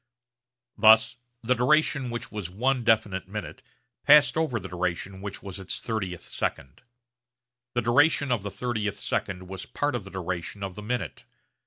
Thus the duration which was one definite minute passed over the duration which was its 30th second. The duration of the 30th second was part of the duration of the minute.